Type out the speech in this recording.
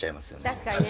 確かにね。